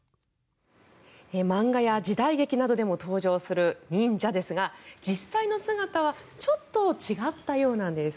漫画や時代劇などでも登場する忍者ですが実際の姿はちょっと違ったようなんです。